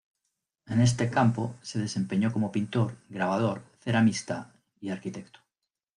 En este campo, se desempeñó como pintor, grabador, ceramista y arquitecto.